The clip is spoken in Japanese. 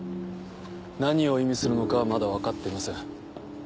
何を意味するのかはまだ分かっていません。